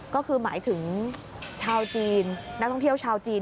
ก็คือหมายถึงชาวจีนนักท่องเที่ยวชาวจีน